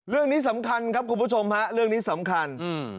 เรื่องนี้สำคัญครับคุณผู้ชมฮะเรื่องนี้สำคัญอืม